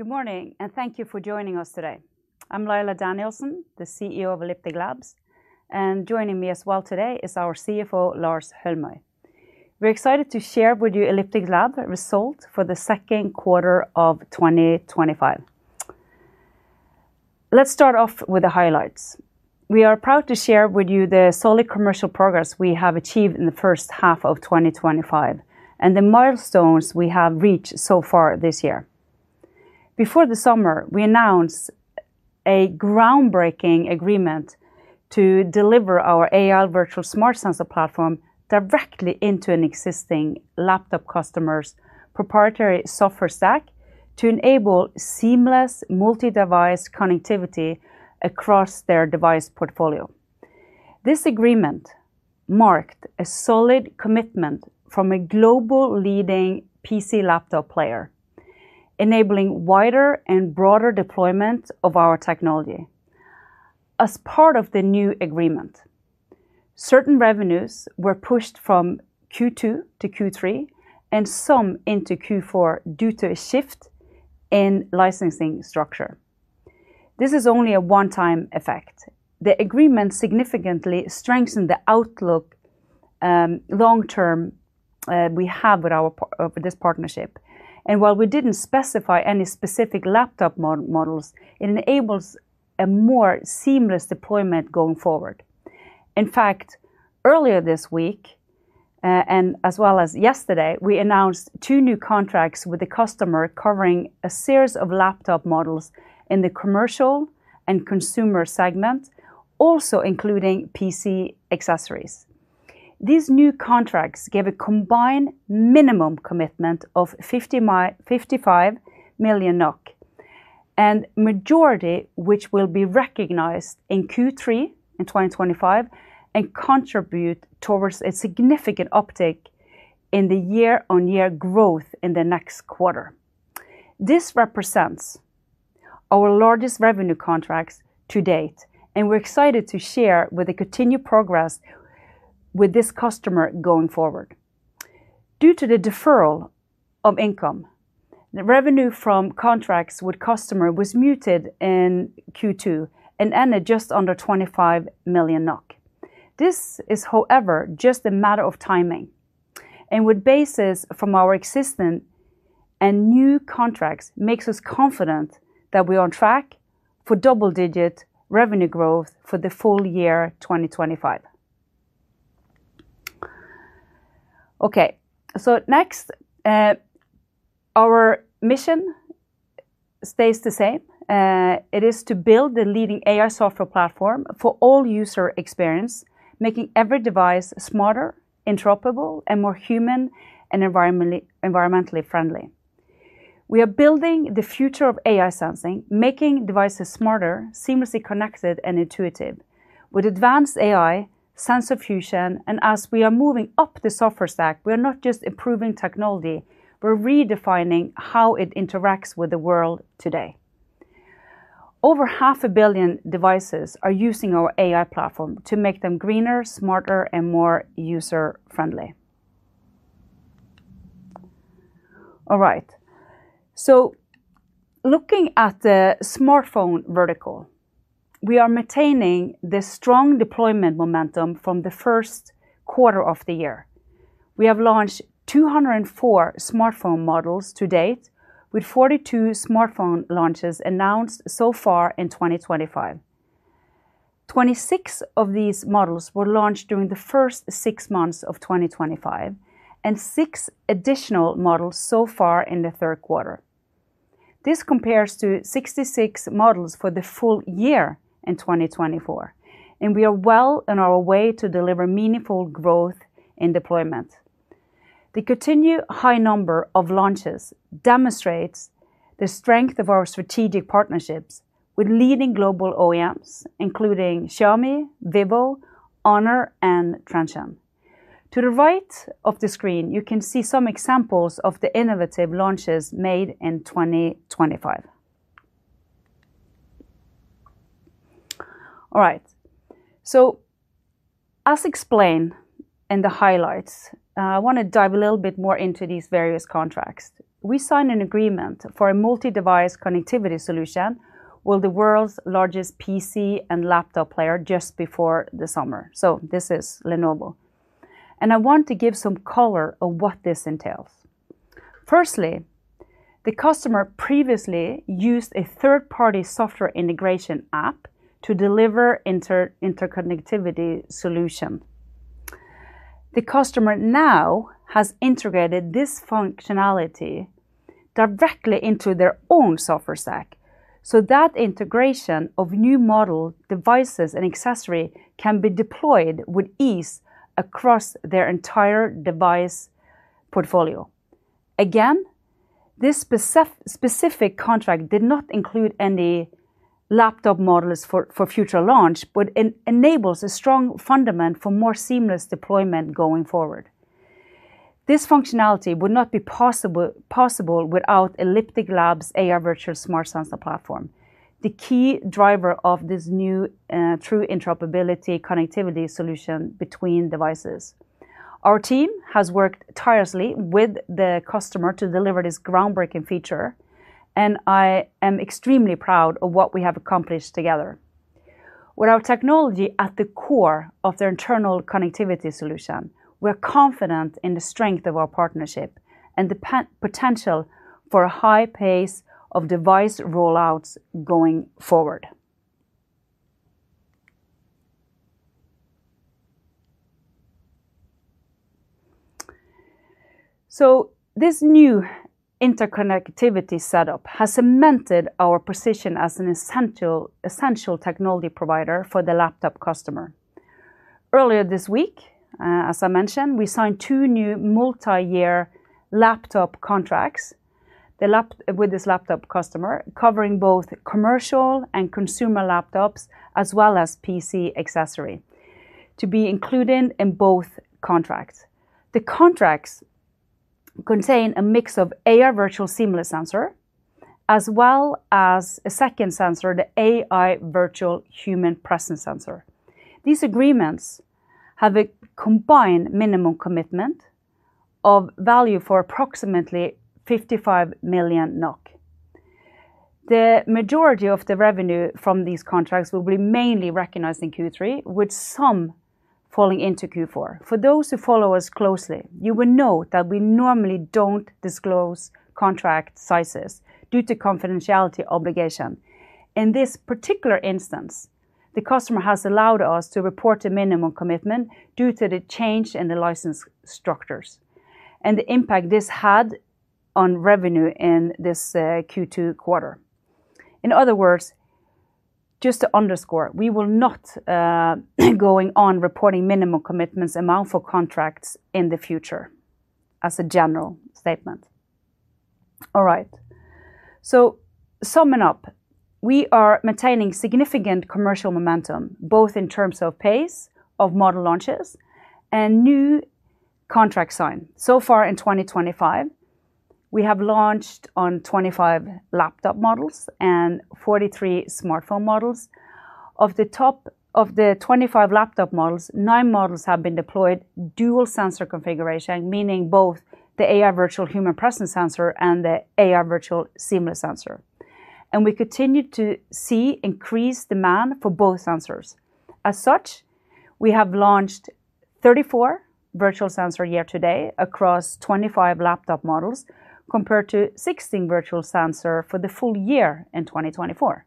Good morning and thank you for joining us today. I'm Laila Danielsen, the CEO of Elliptic Labs, and joining me as well today is our CFO, Lars Holmøy. We're excited to share with you Elliptic Labs' Results for the Second Quarter of 2025. Let's start off with the highlights. We are proud to share with you the solid commercial progress we have achieved in the first half of 2025 and the milestones we have reached so far this year. Before the summer, we announced a groundbreaking agreement to deliver our AI Virtual Smart Sensor Platform directly into an existing laptop customer's proprietary software stack to enable seamless multi-device connectivity across their device portfolio. This agreement marked a solid commitment from a global leading PC laptop player, enabling wider and broader deployment of our technology. As part of the new agreement, certain revenues were pushed from Q2 to Q3 and some into Q4 due to a shift in licensing structure. This is only a one-time effect. The agreement significantly strengthened the outlook long term we have with this partnership. While we didn't specify any specific laptop models, it enables a more seamless deployment going forward. In fact, earlier this week, as well as yesterday, we announced two new contracts with the customer covering a series of laptop models in the commercial and consumer segments, also including PC accessories. These new contracts give a combined minimum commitment of 55 million NOK, the majority of which will be recognized in Q3 in 2025 and contribute towards a significant uptake in the year-on-year growth in the next quarter. This represents our largest revenue contracts to date, and we're excited to share the continued progress with this customer going forward. Due to the deferral of income, the revenue from contracts with the customer was muted in Q2 and ended just under 25 million NOK. This is, however, just a matter of timing. With basis from our existing and new contracts, it makes us confident that we are on track for double-digit revenue growth for the full year 2025. Our mission stays the same. It is to build the leading AI software platform for all user experience, making every device smarter, interoperable, and more human and environmentally friendly. We are building the future of AI sensing, making devices smarter, seamlessly connected, and intuitive. With advanced AI, sensor fusion, and as we are moving up the software stack, we are not just improving technology, we're redefining how it interacts with the world today. Over half a billion devices are using our AI platform to make them greener, smarter, and more user-friendly. All right, so looking at the smartphone vertical, we are maintaining the strong deployment momentum from the first quarter of the year. We have launched 204 smartphone models to date, with 42 smartphone launches announced so far in 2025. 26 of these models were launched during the first six months of 2025, and six additional models so far in the third quarter. This compares to 66 models for the full year in 2024, and we are well on our way to deliver meaningful growth in deployment. The continued high number of launches demonstrates the strength of our strategic partnerships with leading global OEMs, including Xiaomi, vivo, HONOR, and Transsion. To the right of the screen, you can see some examples of the innovative launches made in 2025. All right, so as explained in the highlights, I want to dive a little bit more into these various contracts. We signed an agreement for a multi-device connectivity solution with the world's largest PC and laptop player just before the summer. This is Lenovo. I want to give some color on what this entails. Firstly, the customer previously used a third-party software integration app to deliver an interconnectivity solution. The customer now has integrated this functionality directly into their own software stack, so that integration of new model devices and accessories can be deployed with ease across their entire device portfolio. Again, this specific contract did not include any laptop models for future launch, but it enables a strong fundament for more seamless deployment going forward. This functionality would not be possible without Elliptic Labs' AI Virtual Smart Sensor Platform, the key driver of this new true interoperability connectivity solution between devices. Our team has worked tirelessly with the customer to deliver this groundbreaking feature, and I am extremely proud of what we have accomplished together. With our technology at the core of their internal connectivity solution, we are confident in the strength of our partnership and the potential for a high pace of device rollouts going forward. This new interconnectivity setup has cemented our position as an essential technology provider for the laptop customer. Earlier this week, as I mentioned, we signed two new multi-year laptop contracts with this laptop customer, covering both commercial and consumer laptops, as well as PC accessories, to be included in both contracts. The contracts contain a mix of AI Virtual Seamless Sensor, as well as a second sensor, the AI Virtual Human Presence Sensor. These agreements have a combined minimum commitment of value for approximately 55 million NOK. The majority of the revenue from these contracts will be mainly recognized in Q3, with some falling into Q4. For those who follow us closely, you will note that we normally don't disclose contract sizes due to confidentiality obligations. In this particular instance, the customer has allowed us to report a minimum commitment due to the change in the license structures and the impact this had on revenue in this Q2 quarter. In other words, just to underscore, we will not be going on reporting minimum commitments amount for contracts in the future as a general statement. All right, summing up, we are maintaining significant commercial momentum, both in terms of pace of model launches and new contract signs. So far in 2025, we have launched on 25 laptop models and 43 smartphone models. Of the top of the 25 laptop models, nine models have been deployed in dual-sensor configuration, meaning both the AI Virtual Human Presence Sensor and the AI Virtual Seamless Sensor. We continue to see increased demand for both sensors. As such, we have launched 34 virtual sensors year to date across 25 laptop models, compared to 16 virtual sensors for the full year in 2024.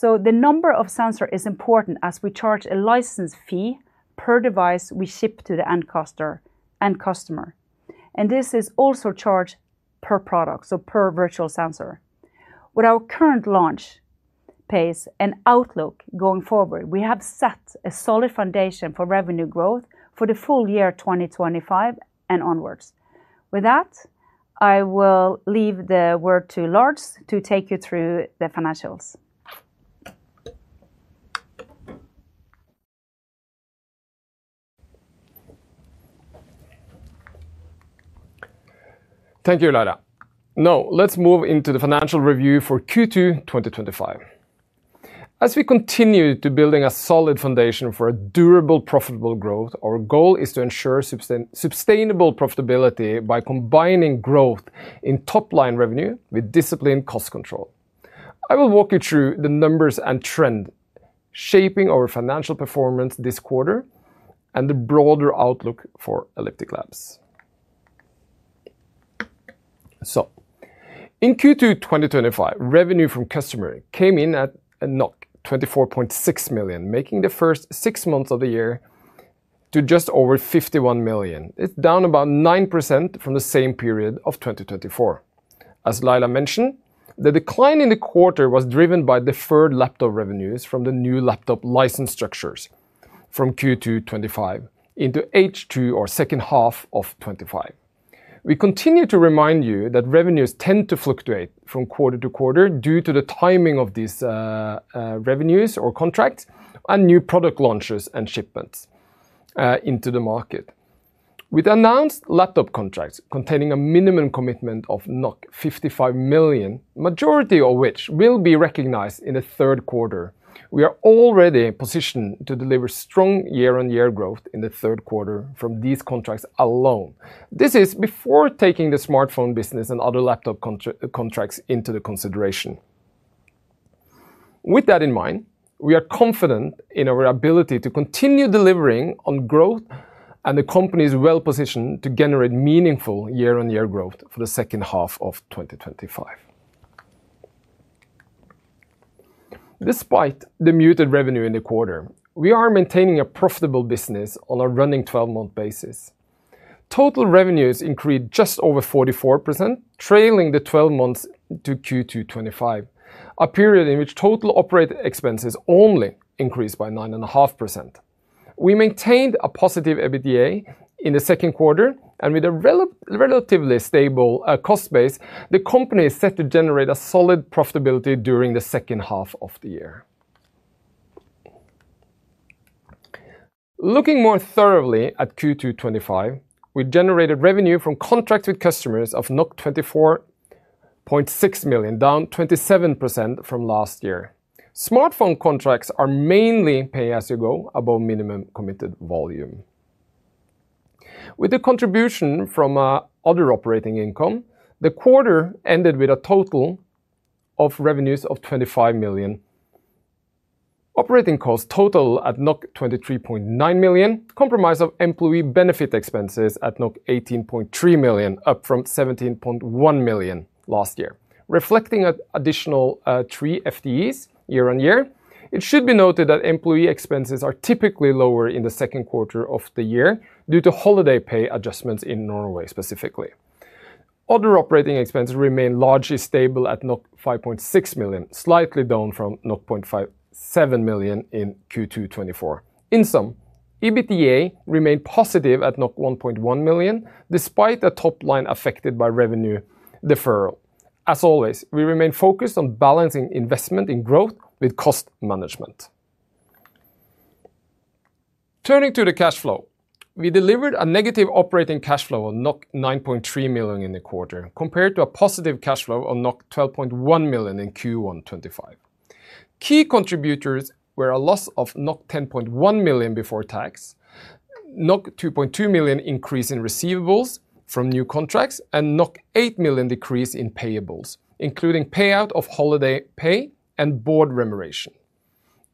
The number of sensors is important as we charge a license fee per device we ship to the end customer. This is also charged per product, so per virtual sensor. With our current launch pace and outlook going forward, we have set a solid foundation for revenue growth for the full year 2025 and onwards. With that, I will leave the word to Lars to take you through the financials. Thank you, Laila. Now let's move into the Financial Review for Q2 2025. As we continue to build a solid foundation for a durable, profitable growth, our goal is to ensure sustainable profitability by combining growth in top-line revenue with disciplined cost control. I will walk you through the numbers and trends shaping our financial performance this quarter and the broader outlook for Elliptic Labs. In Q2 2025, revenue from customers came in at 24.6 million, making the first six months of the year just over 51 million. It's down about 9% from the same period of 2024. As Laila mentioned, the decline in the quarter was driven by deferred laptop revenues from the new laptop license structures from Q2 2025 into H2 or second half of 2025. We continue to remind you that revenues tend to fluctuate from quarter to quarter due to the timing of these revenues or contracts and new product launches and shipments into the market. With announced laptop contracts containing a minimum commitment of 55 million, the majority of which will be recognized in the third quarter, we are already positioned to deliver strong year-on-year growth in the third quarter from these contracts alone. This is before taking the smartphone business and other laptop contracts into consideration. With that in mind, we are confident in our ability to continue delivering on growth and the company is well-positioned to generate meaningful year-on-year growth for the second half of 2025. Despite the muted revenue in the quarter, we are maintaining a profitable business on a running 12-month basis. Total revenues increased just over 44% trailing the 12 months to Q2 2025, a period in which total operating expenses only increased by 9.5%. We maintained a positive EBITDA in the second quarter, and with a relatively stable cost base, the company is set to generate a solid profitability during the second half of the year. Looking more thoroughly at Q2 2025, we generated revenue from contracts with customers of 24.6 million, down 27% from last year. Smartphone contracts are mainly pay-as-you-go above minimum committed volume. With the contribution from other operating income, the quarter ended with a total of revenues of 25 million. Operating costs totaled 23.9 million, comprised of employee benefit expenses at 18.3 million, up from 17.1 million last year. Reflecting additional three FTEs year-on-year, it should be noted that employee expenses are typically lower in the second quarter of the year due to holiday pay adjustments in Norway specifically. Other operating expenses remain largely stable at 5.6 million, slightly down from 5.7 million in Q2 2024. In sum, EBITDA remained positive at 1.1 million, despite the top line affected by revenue deferral. As always, we remain focused on balancing investment in growth with cost management. Turning to the cash flow, we delivered a negative operating cash flow of 9.3 million in the quarter, compared to a positive cash flow of 12.1 million in Q1 2025. Key contributors were a loss of 10.1 million before tax, 2.2 million increase in receivables from new contracts, and 8 million decrease in payables, including payout of holiday pay and board remuneration.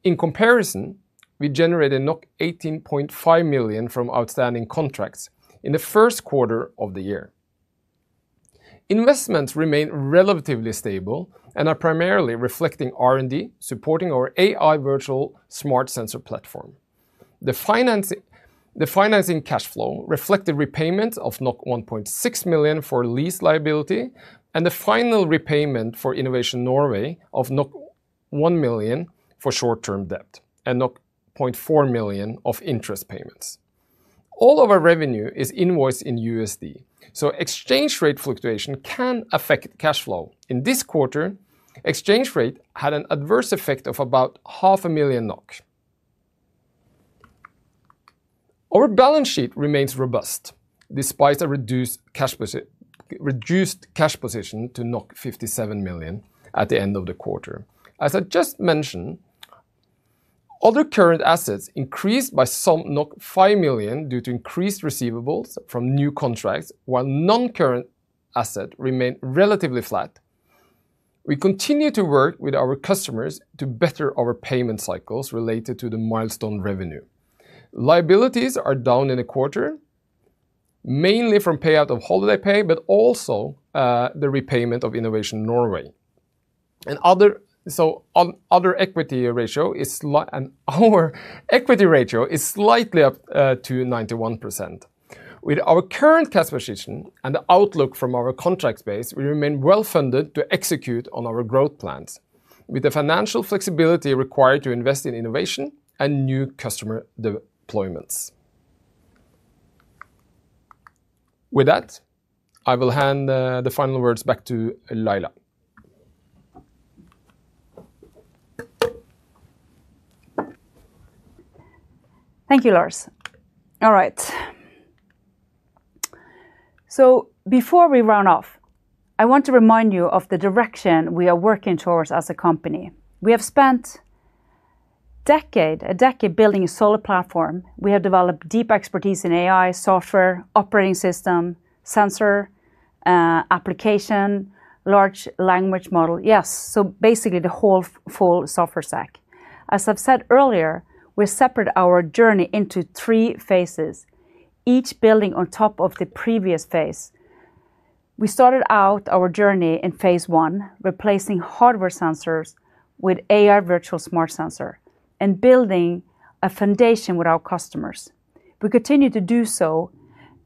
In comparison, we generated 18.5 million from outstanding contracts in the first quarter of the year. Investments remain relatively stable and are primarily reflecting R&D, supporting our AI Virtual Smart Sensor Platform. The financing cash flow reflected repayments of 1.6 million for lease liability, and the final repayment for Innovation Norway of 1 million for short-term debt, and 0.4 million of interest payments. All of our revenue is invoiced in USD, so exchange rate fluctuation can affect cash flow. In this quarter, the exchange rate had an adverse effect of about half a million NOK. Our balance sheet remains robust despite a reduced cash position to 57 million at the end of the quarter. As I just mentioned, other current assets increased by some 5 million due to increased receivables from new contracts, while non-current assets remain relatively flat. We continue to work with our customers to better our payment cycles related to the milestone revenue. Liabilities are down in the quarter, mainly from payout of holiday pay, but also the repayment of Innovation Norway. On other equity ratio is slightly up to 91%. With our current cash position and the outlook from our contract space, we remain well-funded to execute on our growth plans with the financial flexibility required to invest in innovation and new customer deployments. With that, I will hand the final words back to Laila. Thank you, Lars. All right. Before we run off, I want to remind you of the direction we are working towards as a company. We have spent a decade building a solid platform. We have developed deep expertise in AI, software, operating system, sensor, application, large language model. Yes, basically the whole full software stack. As I've said earlier, we separated our journey into three phases, each building on top of the previous phase. We started out our journey in phase I, replacing hardware sensors with AI Virtual Smart Sensors and building a foundation with our customers. We continue to do so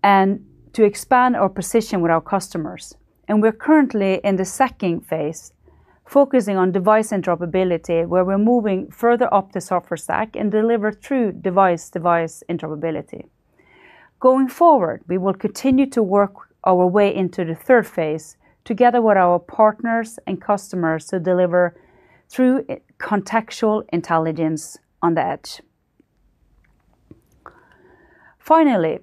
and to expand our position with our customers. We're currently in the second phase, focusing on device interoperability, where we're moving further up the software stack and deliver true device-to-device interoperability. Going forward, we will continue to work our way into the third phase together with our partners and customers to deliver true contextual intelligence on the edge. Finally,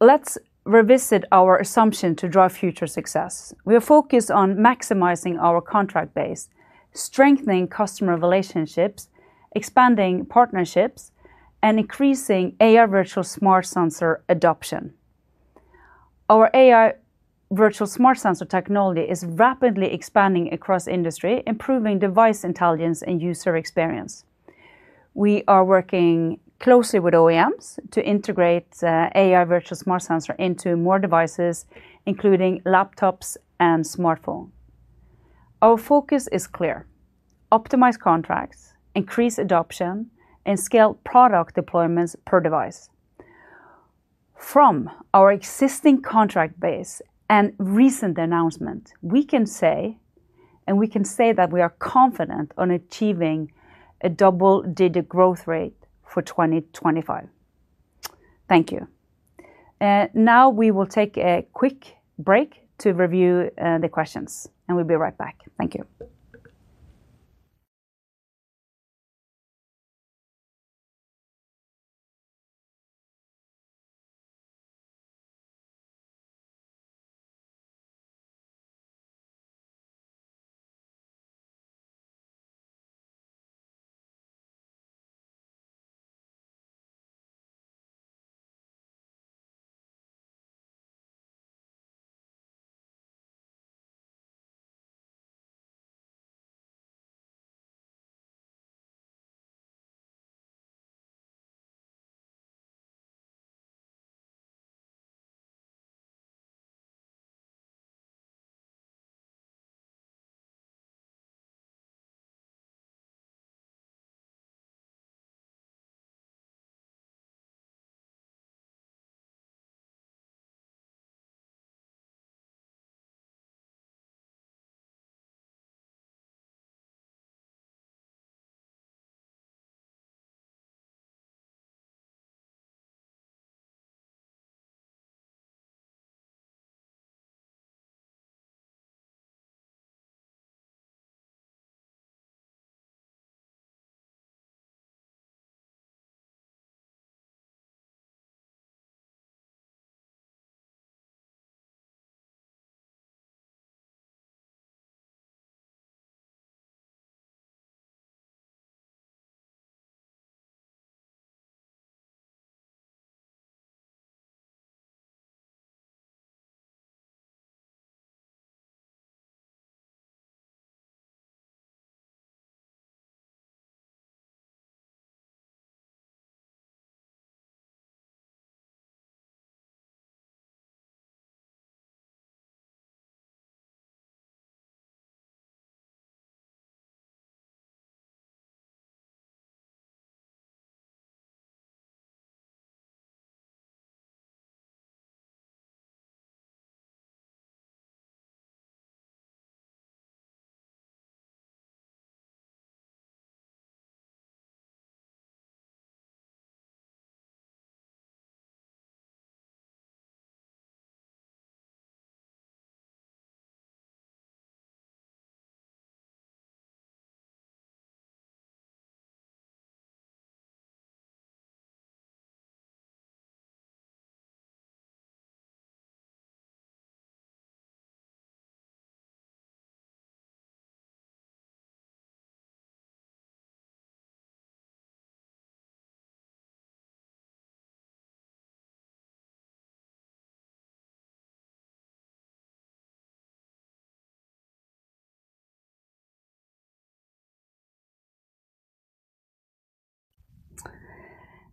let's revisit our assumption to drive future success. We are focused on maximizing our contract base, strengthening customer relationships, expanding partnerships, and increasing AI Virtual Smart Sensor adoption. Our AI Virtual Smart Sensor technology is rapidly expanding across industry, improving device intelligence and user experience. We are working closely with OEMs to integrate AI Virtual Smart Sensors into more devices, including laptops and smartphones. Our focus is clear: optimize contracts, increase adoption, and scale product deployments per device. From our existing contract base and recent announcements, we can say that we are confident in achieving a double-digit growth rate for 2025. Thank you. Now we will take a quick break to review the questions, and we'll be right back. Thank you.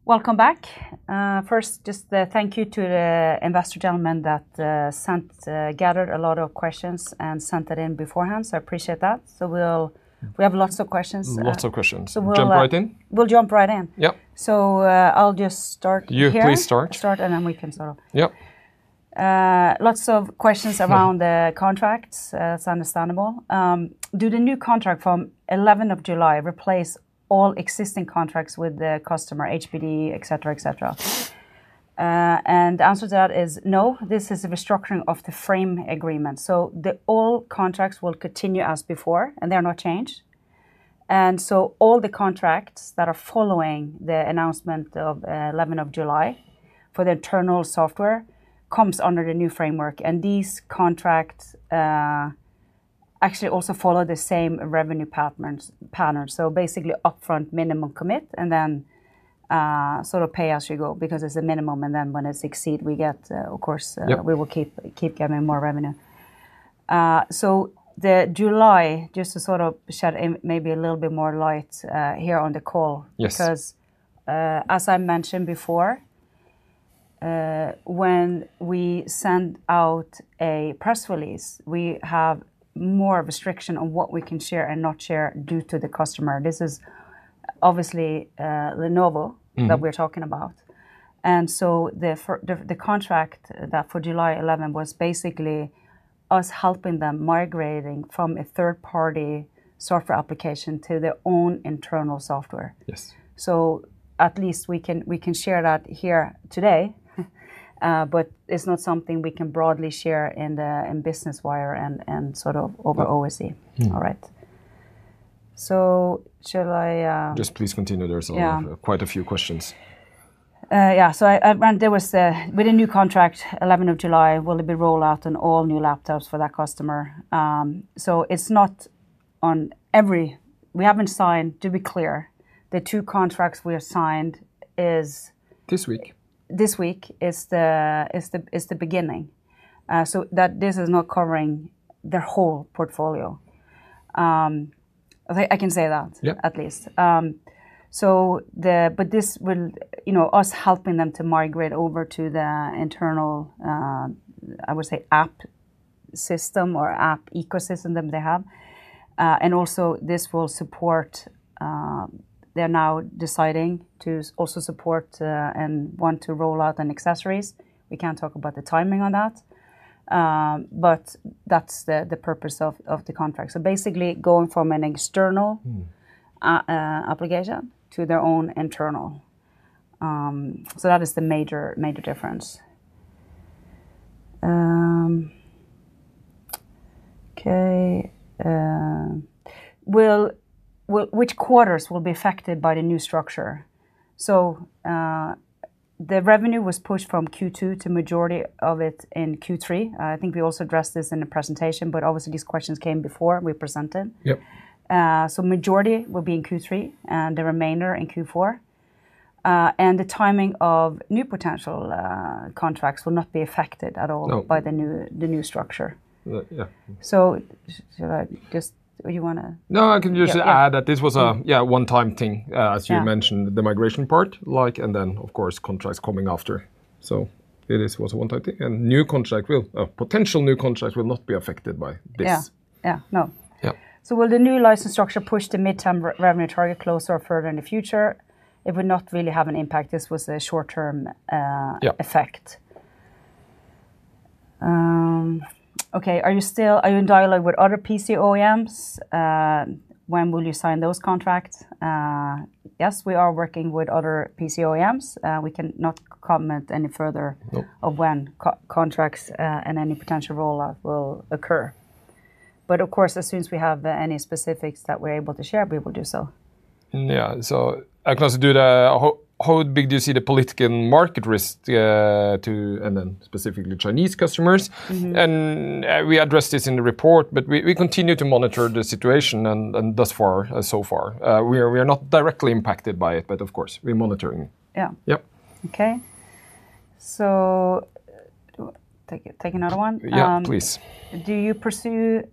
Welcome back. First, just thank you to the investor gentleman that gathered a lot of questions and sent it in beforehand. I appreciate that. We have lots of questions. Lots of questions. We'll jump right in. Yep. I'll just start here. You please start. I'll start, and then we can sort of. Yep. Lots of questions around the contracts. It's understandable. Do the new contract from 11th of July replace all existing contracts with the customer, HPD, etc., etc.? The answer to that is no. This is a restructuring of the frame agreement. All contracts will continue as before, and they are not changed. All the contracts that are following the announcement of 11th of July for the internal software come under the new framework. These contracts actually also follow the same revenue patterns. Basically, upfront minimum commit and then sort of pay as you go because it's a minimum. When it succeeds, we get, of course, we will keep getting more revenue. The July, just to sort of shed maybe a little bit more light here on the call. Yes. Because as I mentioned before, when we send out a press release, we have more restriction on what we can share and not share due to the customer. This is obviously Lenovo that we're talking about, and the contract that for July 11 was basically us helping them migrate from a third-party software application to their own internal software. Yes. At least we can share that here today, but it's not something we can broadly share in Business Wire and over OSE. All right. Shall I? Just please continue. There's quite a few questions. Yeah. With the new contract, 11th of July, will it be rolled out on all new laptops for that customer? It's not on every... To be clear, the two contracts we have signed is... This week. This week is the beginning. This is not covering their whole portfolio. I can say that at least. This will, you know, help them to migrate over to the internal, I would say, app system or app ecosystem that they have. This will support—they're now deciding to also support and want to roll out accessories. We can't talk about the timing on that. That's the purpose of the contract. Basically, going from an external application to their own internal. That is the major difference. Okay. Which quarters will be affected by the new structure? The revenue was pushed from Q2 to the majority of it in Q3. I think we also addressed this in the presentation, but obviously these questions came before we presented. Yep. The majority will be in Q3, and the remainder in Q4. The timing of new potential contracts will not be affected at all by the new structure. Yeah. You want to... No, I can just add that this was a one-time thing, as you mentioned, the migration part, like, and then, of course, contracts coming after. This was a one-time thing. New contracts will... Potential new contracts will not be affected by this. Yeah, yeah, no. Yeah. Will the new license structure push the midterm revenue target closer or further in the future? It would not really have an impact. This was a short-term effect. Are you still... Are you in dialogue with other PC OEMs? When will you sign those contracts? Yes, we are working with other PC OEMs. We cannot comment any further on when contracts and any potential rollout will occur. Of course, as soon as we have any specifics that we're able to share, we will do so. How big do you see the political market risk to, and then specifically Chinese customers? We addressed this in the report, but we continue to monitor the situation. Thus far, we are not directly impacted by it, but of course, we're monitoring. Yeah. Yep. Okay, take another one. Yeah, please. Do you pursue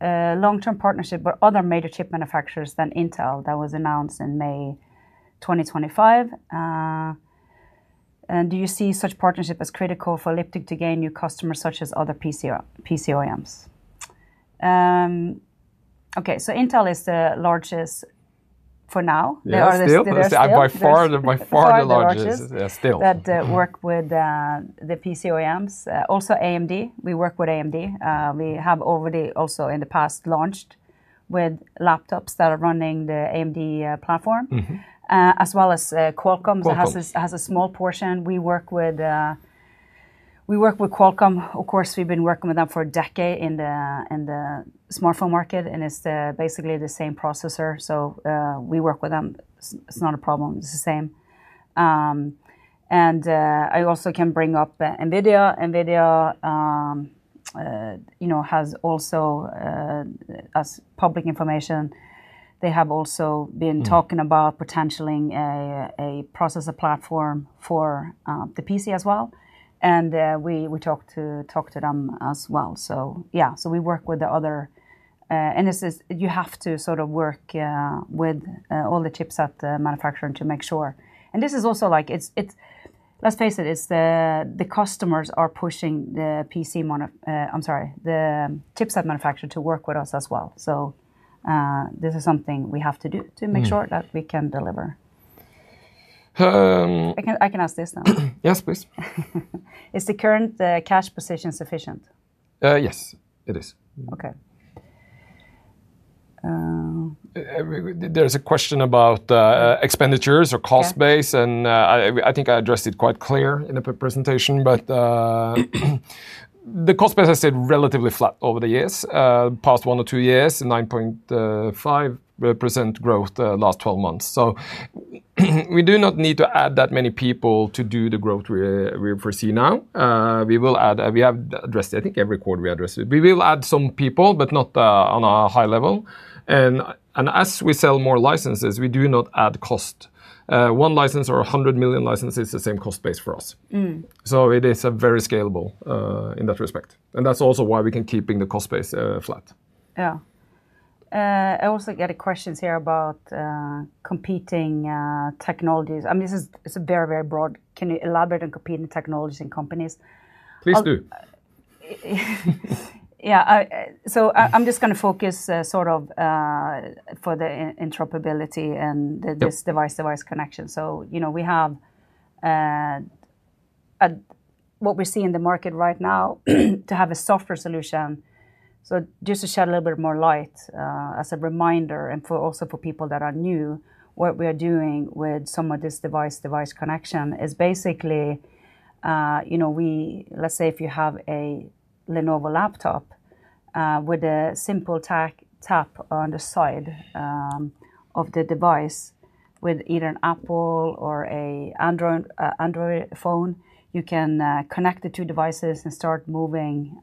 a long-term partnership with other major chip manufacturers than Intel that was announced in May 2025? Do you see such a partnership as critical for Elliptic to gain new customers such as other PC OEMs? Okay. Intel is the largest for now. They are by far the largest still. That work with the PC OEMs. Also AMD. We work with AMD. We have already also in the past launched with laptops that are running the AMD platform, as well as Qualcomm has a small portion. We work with Qualcomm. Of course, we've been working with them for a decade in the smartphone market, and it's basically the same processor. We work with them. It's not a problem. It's the same. I also can bring up NVIDIA. NVIDIA has also, as public information, they have also been talking about potentially a processor platform for the PC as well. We talked to them as well. We work with the other. You have to sort of work with all the chips at the manufacturer to make sure. This is also like, let's face it, the customers are pushing the PC, I'm sorry, the chipset manufacturer to work with us as well. This is something we have to do to make sure that we can deliver. I can ask this then. Yes, please. Is the current cash position sufficient? Yes, it is. Okay. There's a question about expenditures or cost base, and I think I addressed it quite clear in the presentation, but the cost base has stayed relatively flat over the years. The past one or two years, 9.5% growth the last 12 months. We do not need to add that many people to do the growth we foresee now. We will add, we have addressed, I think every quarter we address it. We will add some people, but not on a high level. As we sell more licenses, we do not add cost. One license or 100 million licenses is the same cost base for us. It is very scalable in that respect. That's also why we can keep the cost base flat. Yeah. I also get questions here about competing technologies. I mean, this is very, very broad. Can you elaborate on competing technologies and companies? Please do. Yeah. I'm just going to focus for the interoperability and this device-to-device connection. You know, we have what we see in the market right now to have a software solution. Just to shed a little bit more light as a reminder and also for people that are new, what we are doing with some of this device-to-device connection is basically, you know, let's say if you have a Lenovo laptop, with a simple tap on the side of the device with either an Apple or an Android phone, you can connect the two devices and start moving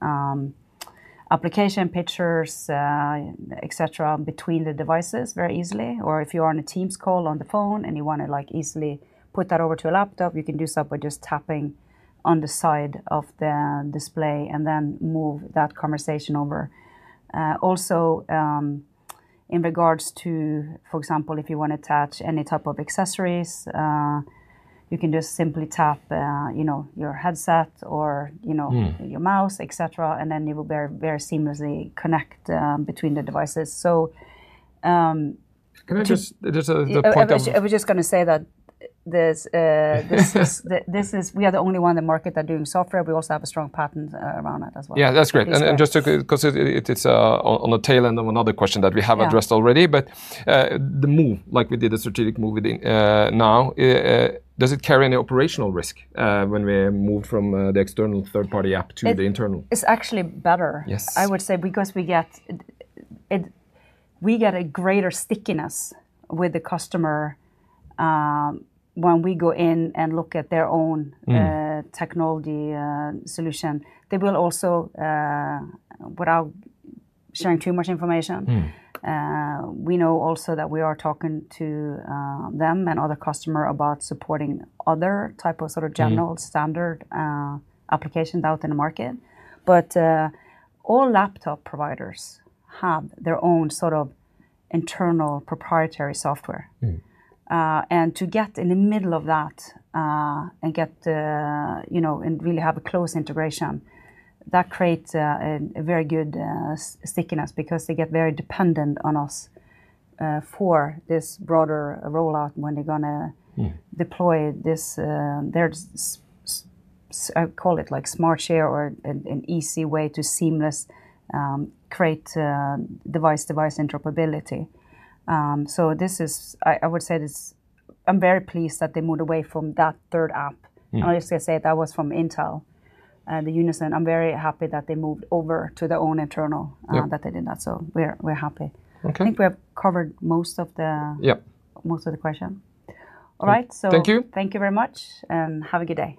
application pictures, etc., between the devices very easily. If you are on a Teams call on the phone and you want to easily put that over to a laptop, you can do so by just tapping on the side of the display and then move that conversation over. Also, in regards to, for example, if you want to attach any type of accessories, you can just simply tap your headset or your mouse, etc., and then it will very, very seamlessly connect between the devices. Can I just, there's a point. I was just going to say that this is, we are the only one in the market that are doing software. We also have a strong patent around that as well. Yeah, that's great. Just to, because it's on the tail end of another question that we have addressed already, does the move, like we did a strategic move now, carry any operational risk when we move from the external third-party app to the internal? It's actually better, I would say, because we get a greater stickiness with the customer when we go in and look at their own technology solution. They will also, without sharing too much information, we know also that we are talking to them and other customers about supporting other types of sort of general standard applications out in the market. All laptop providers have their own sort of internal proprietary software. To get in the middle of that and get, you know, and really have a close integration, that creates a very good stickiness because they get very dependent on us for this broader rollout when they're going to deploy this, I call it like Smart Share or an easy way to seamlessly create device-to-device interoperability. This is, I would say, I'm very pleased that they moved away from that third app. I'm just going to say that was from Intel and the Intel Unison. I'm very happy that they moved over to their own internal and that they did that. We're happy. Okay. I think we have covered most of the, yeah, most of the questions. All right. Thank you. Thank you very much, and have a good day.